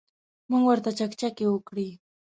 موږ ورته چکچکې وکړې.